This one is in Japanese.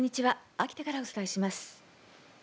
秋田からお伝えします。